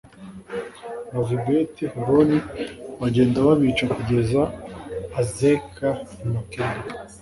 bava i beti horoni bagenda babica kugeza azeka, i makeda